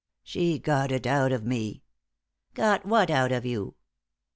"She got it out of me." "Got what out of you?"